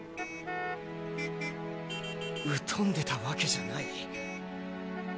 疎んでたわけじゃない？